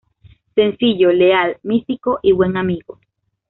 Sencillo, leal, místico y buen amigo.